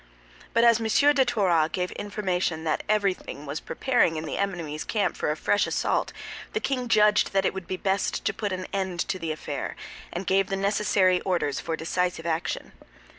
But as M. de Toiras gave information that everything was preparing in the enemy's camp for a fresh assault, the king judged that it would be best to put an end to the affair, and gave the necessary orders for a decisive action.